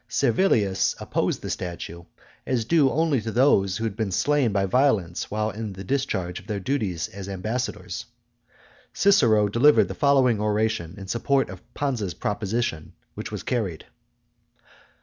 Servilius opposed the statue, as due only to those who had been slain by violence while in discharge of their duties as ambassadors. Cicero delivered the following oration in support of Pansa's proposition, which was carried.